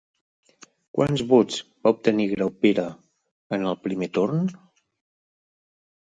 Quants vots va obtenir Graupera en el primer torn?